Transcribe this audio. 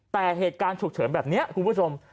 แต่เหตุการณ์ฉุกเฉินแบบนี้คุณผู้ชม